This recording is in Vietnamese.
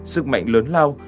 sức mạnh lớn lao